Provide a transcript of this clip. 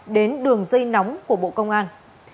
đến đường dây nóng của bộ công an